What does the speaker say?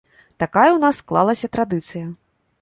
Такая ў нас склалася традыцыя.